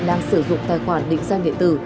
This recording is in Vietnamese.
đang sử dụng tài khoản định danh điện tử